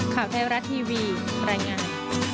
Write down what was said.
ข่าวไทยรัฐทีวีรายงาน